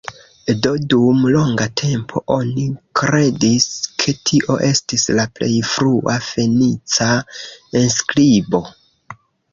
Do, dum longa tempo oni kredis, ke tio estis la plej frua fenica enskribo.